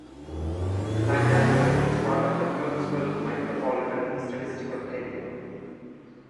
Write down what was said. Lancaster is part of the Kirksville Micropolitan Statistical Area.